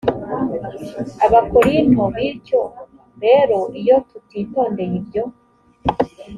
abakorinto bityo rero iyo tutitondeye ibyo